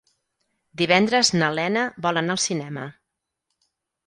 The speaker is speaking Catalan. Divendres na Lena vol anar al cinema.